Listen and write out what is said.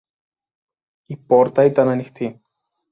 Η πόρτα ήταν ανοιχτή.